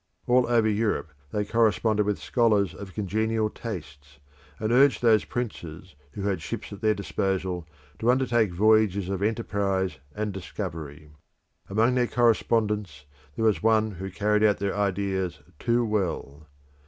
All over Europe they corresponded with scholars of congenial tastes, and urged those princes who had ships at their disposal to undertake voyages of enterprise and discovery. Among their correspondents there was one who carried out their ideas too well.